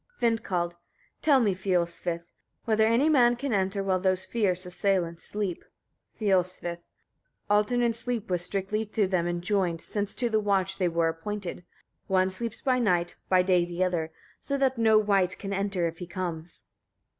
Vindkald. 16. Tell me, Fiolsvith! etc., whether any man can enter while those fierce assailants sleep? Fiolsvith. 17. Alternate sleep was strictly to them enjoined, since to the watch they were appointed. One sleeps by night, by day the other, so that no wight can enter if he comes.